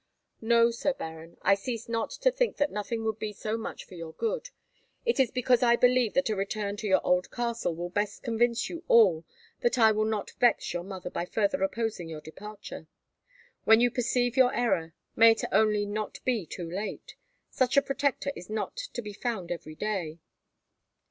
"No, Sir Baron. I cease not to think that nothing would be so much for your good. It is because I believe that a return to your own old castle will best convince you all that I will not vex your mother by further opposing your departure. When you perceive your error may it only not be too late! Such a protector is not to be found every day."